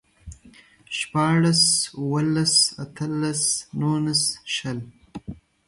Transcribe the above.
شپاړلس، اوولس، اتلس، نولس، شل